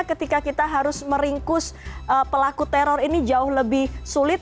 ketika kita harus meringkus pelaku teror ini jauh lebih sulit